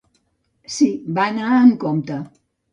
Sí, va anar amb compte.